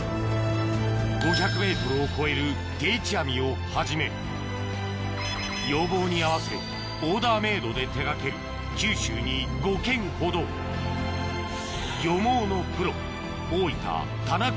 ５００ｍを超える定置網をはじめ要望に合わせオーダーメイドで手掛ける九州に５軒ほど漁網のプロ